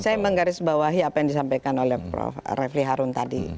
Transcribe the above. saya menggarisbawahi apa yang disampaikan oleh prof refli harun tadi